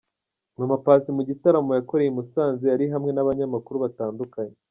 Mama Paccy mu gitaramo yakoreye i Musanze yari hamwe n'abanyamakuru batandukanye.